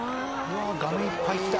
画面いっぱいきた。